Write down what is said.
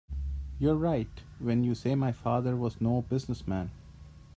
You're right when you say my father was no business man.